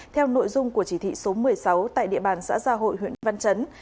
theo nội dung của chỉ thị số một mươi sáu tại địa bàn xã gia hội huyện văn chấn